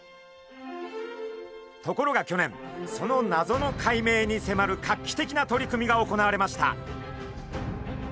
ところが去年その謎の解明にせまる画期的な取り組みが行われました。